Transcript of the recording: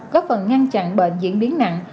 có phần ngăn chặn bệnh diễn biến nặng